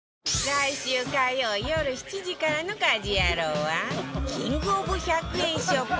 来週火曜よる７時からの『家事ヤロウ！！！』はキング・オブ・１００円ショップ